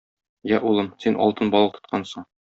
Йә, улым, син алтын балык тоткансың.